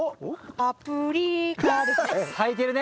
「パプリカ」ですね。